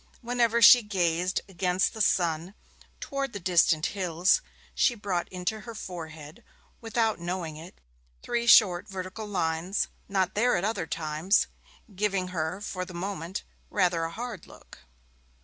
Whenever she gazed against the sun towards the distant hills, she brought into her forehead, without knowing it, three short vertical lines not there at other times giving her for the moment rather a hard look.